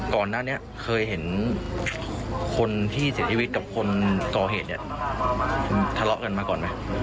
ก่อนหน้านี้เคยเห็นคนที่เสียชีวิตกับคนก่อเหตุเนี่ยทะเลาะกันมาก่อนไหม